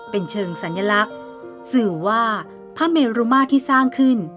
เป็นเชิงสัญลักษณ์สื่อว่าพระเมรุมาที่สร้างขึ้น